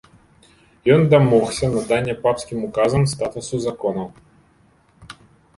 Ён дамогся надання папскім ўказам статусу законаў.